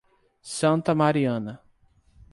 Santa Mariana